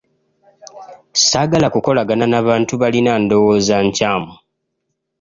Ssaagala kukolagana na bantu balina ndowooza nkyamu.